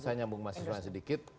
saya nyambung ke mas isma sedikit